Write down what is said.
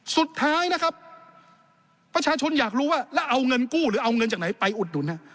สุดท้ายนะครับประชาชนอยากรู้ว่าแล้วเอาเงินกู้หรือเอาเงินจากไหนไปอุดหนุน